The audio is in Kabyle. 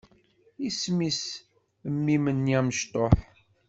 Isem-is mmi-m-nni amectuḥ?